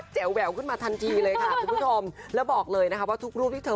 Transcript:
แหววขึ้นมาทันทีเลยค่ะคุณผู้ชมแล้วบอกเลยนะคะว่าทุกรูปที่เธอ